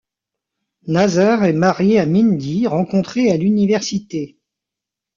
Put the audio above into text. Nazr est marié à Mindy, rencontrée à l'université.